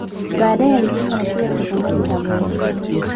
Baadae alijiunga na Shule ya Sekondari Tabora